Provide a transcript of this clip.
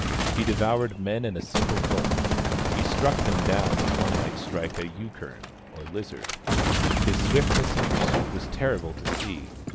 He devoured men in a single gulp : he struck them down as one might strike a yurkurn, or lizard : his swiftness in pursuit was terrible to see.